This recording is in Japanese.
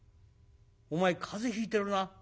お前風邪ひいてるな。